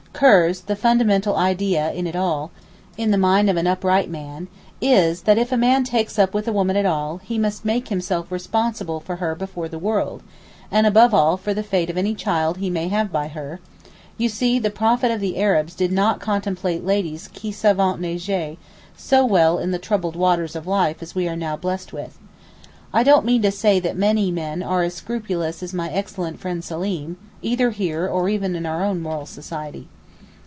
Kurz, the fundamental idea in it all, in the mind of an upright man, is, that if a man 'takes up' with a woman at all, he must make himself responsible for her before the world; and above all for the fate of any child he may have by her (you see the Prophet of the Arabs did not contemplate ladies qui savent nager so well in the troubled waters of life as we are now blessed with. I don't mean to say that many men are as scrupulous as my excellent friend Seleem, either here or even in our own moral society).